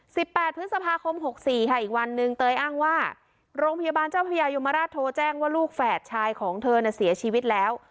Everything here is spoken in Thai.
แปดพฤษภาคมหกสี่ค่ะอีกวันหนึ่งเตยอ้างว่าโรงพยาบาลเจ้าพญายมราชโทรแจ้งว่าลูกแฝดชายของเธอน่ะเสียชีวิตแล้ว